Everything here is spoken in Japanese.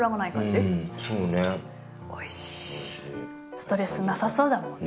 ストレスなさそうだもんね。